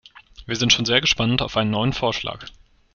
Wir sind schon sehr gespannt auf einen neuen Vorschlag.